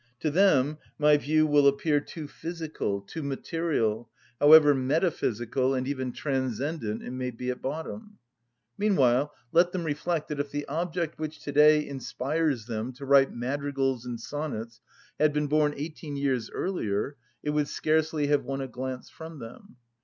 To them my view will appear too physical, too material, however metaphysical and even transcendent it may be at bottom. Meanwhile let them reflect that if the object which to‐day inspires them to write madrigals and sonnets had been born eighteen years earlier it would scarcely have won a glance from them.